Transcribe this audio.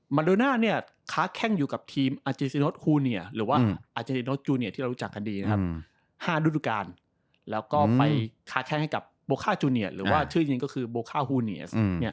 โดน่าเนี่ยค้าแข้งอยู่กับทีมอาเจซิโนสฮูเนียหรือว่าอาเจโนจูเนียที่เรารู้จักกันดีนะครับ๕ฤดูการแล้วก็ไปค้าแข้งให้กับโบค่าจูเนียหรือว่าชื่อจริงก็คือโบค่าฮูเนียส